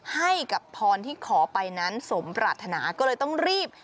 ให้กับพรที่ขอไปนั้นสมปรารถนาก็เลยต้องรีบ